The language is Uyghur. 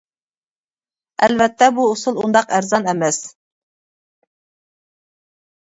ئەلۋەتتە بۇ ئۇسۇل ئۇنداق ئەرزان ئەمەس.